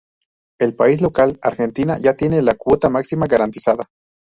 El país local, Argentina ya tiene la cuota máxima garantizada.